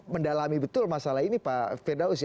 mendalami betul masalah ini pak firdaus